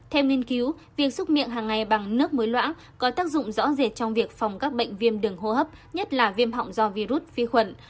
theo nghiên cứu việc xúc miệng hàng ngày bằng nước muối loãng có tác dụng rõ rệt trong việc phòng các bệnh viêm đường hô hấp nhất là viêm họng do virus vi khuẩn